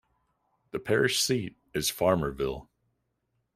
The parish seat is Farmerville.